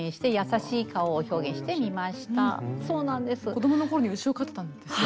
子どものころに牛を飼ってたんですね。